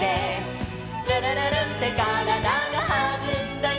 「るるるるんってからだがはずんだよ」